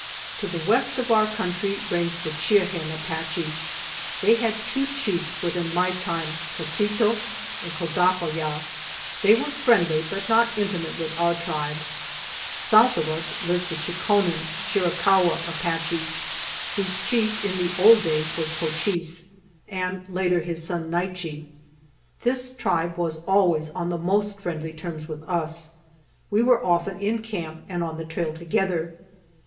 To the west of our country ranged the Chi e ajien Apaches. They had two chiefs within my time, Co si to and Co da hoo yah. They were friendly, but not intimate with our tribe. South of us lived the Cho kon en ( Chiri cahua) Apaches, whose chief in the old days was Co chise, and later his son, Naiche. This tribe was always on the most friendly terms with us. We were often in camp and on the trail together.